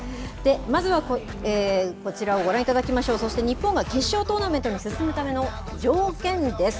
まずは、こちらをご覧いただきましょう、そして日本が決勝トーナメントに進むための条件です。